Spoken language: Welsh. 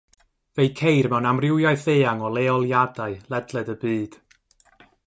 Fe'i ceir mewn amrywiaeth eang o leoliadau ledled y byd.